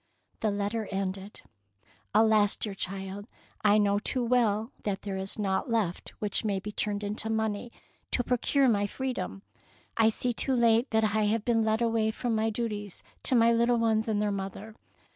The letter ended, — ''Alas, dear child, I know too well that there is naught left which may be turned into money to procure my free dom. I see too late that I have been led away from my duties to my little ones and their mother.